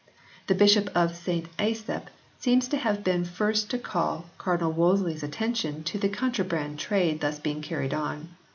The Bishop of St Asaph seems to have been the first to call Cardinal Wolsey s attention to the contraband trade thus being carried on.